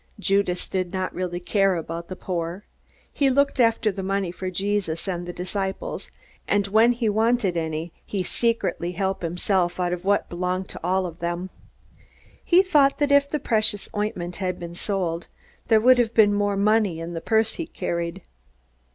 Judas did not really care about the poor. He looked after the money for Jesus and the disciples, and when he wanted any, he secretly helped himself out of what belonged to all of them. He thought that if the precious ointment had been sold, there would have been more money in the purse he carried.